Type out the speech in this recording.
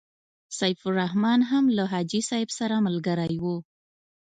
سیف الرحمن هم له حاجي صاحب سره ملګری وو.